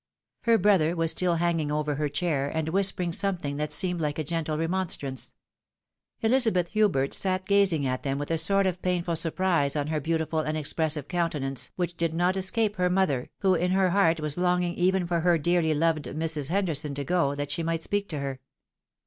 Her brother was stm hanging over her chair, and whispering something that seemed like a gentle remonstrance. Elizabeth Hubert sat gazing at them with a sort of painful surprise on her beautiful and expressive counte nance, which did not escape her mother, who in her heart was A POSING QUESTION. 817 longing even for her dearly loved Mrs. Henderson to go, that she might speak to her.